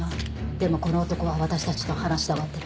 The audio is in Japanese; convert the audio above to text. でもこの男は私たちと話したがってる。